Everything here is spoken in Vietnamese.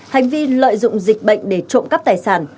hành vi lợi dụng dịch bệnh để trộm cắp tài sản